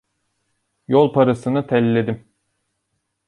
Yol parasını telledim.